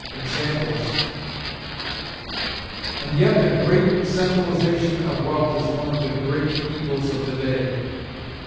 Examples: "And yet the great centralization of wealth is one of the [great] evils of the day.